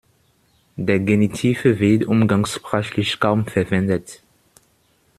Der Genitiv wird umgangssprachlich kaum verwendet.